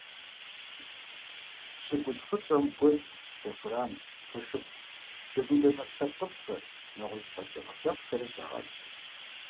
ЩӀыгулъ фӀыцӀэм гуэдз, сэхуран, фошыгъу жэгундэ нэхъ лъэпкъыфӀхэр, нэгъуэщӀ къэкӀыгъэ лъэпкъхэри щагъэкӀ.